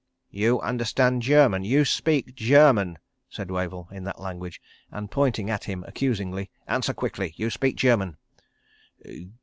"You understand German. You speak German!" said Wavell, in that language, and pointing at him accusingly. "Answer quickly. You speak German."